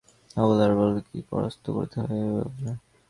অবলার বলকে কী করে পরাস্ত করতে হয় এই তার ভাবনা।